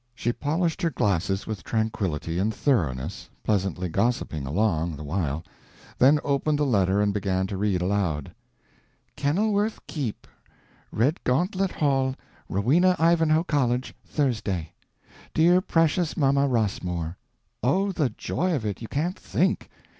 She polished her glasses with tranquility and thoroughness, pleasantly gossiping along, the while, then opened the letter and began to read aloud: KENILWORTH KEEP, REDGAUNTLET HALL, ROWENA IVANHOE COLLEGE, THURSDAY. DEAR PRECIOUS MAMMA ROSSMORE: Oh, the joy of it!—you can't think.